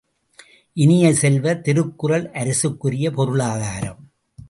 இனிய செல்வ, திருக்குறள் அரசுக்குரிய பொருளாதாரம்.